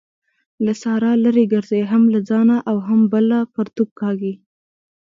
له سارا لري ګرځئ؛ هم له ځانه او هم بله پرتوګ کاږي.